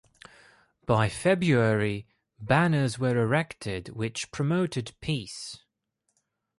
By February banners were erected which promoted peace.